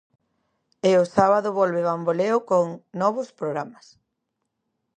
E o sábado volve Bamboleo con novos programas.